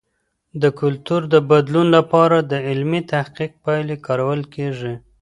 د کلتور د بدلون لپاره د علمي تحقیق پایلې کارول کیږي.